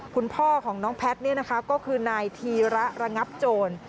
คุณพ่อของน้องแพทย์ก็คือนายธีระระงับโจร